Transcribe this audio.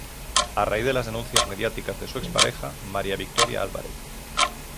A raíz de las denuncias mediáticas de su ex pareja, María Victoria Álvarez.